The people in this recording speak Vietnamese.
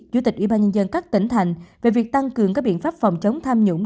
chủ tịch ủy ban nhân dân các tỉnh thành về việc tăng cường các biện pháp phòng chống tham nhũng